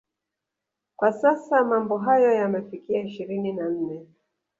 Kwa sasa mambo hayo yamefikia ishirini na nne